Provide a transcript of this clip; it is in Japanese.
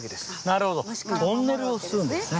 なるほどトンネルをするんですね。